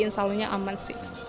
insya allah aman sih